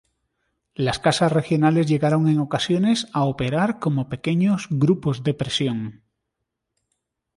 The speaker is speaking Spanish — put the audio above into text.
Las casas regionales llegaron en ocasiones a operar como pequeños grupos de presión.